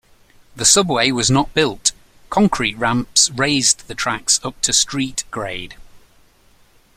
The subway was not built, concrete ramps raised the tracks up to street grade.